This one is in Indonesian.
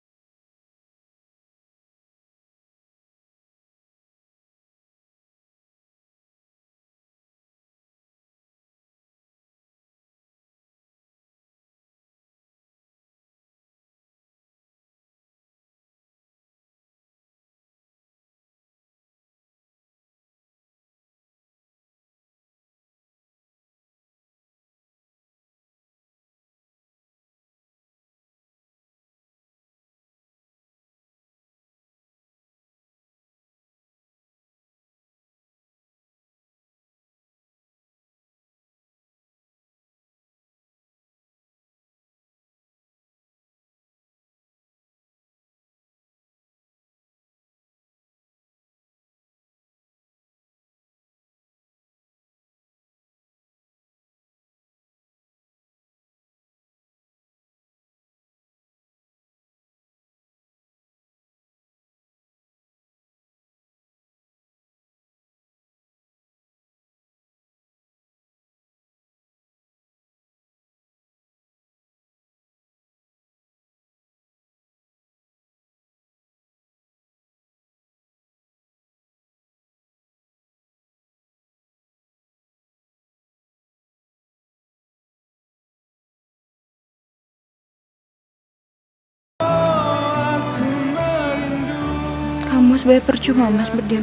dan semoga kalian tetap berada di dalam